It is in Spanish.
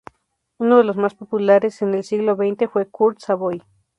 Uno de los más populares en el siglo veinte fue Kurt Savoy.